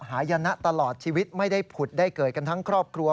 หายนะตลอดชีวิตไม่ได้ผุดได้เกิดกันทั้งครอบครัว